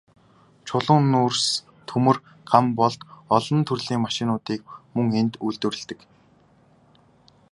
Чулуун нүүрс, төмөр, ган болд, олон төрлийн машинуудыг мөн энд үйлдвэрлэдэг.